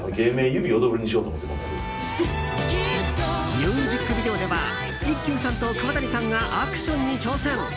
ミュージックビデオではイッキュウさんと川谷さんがアクションに挑戦。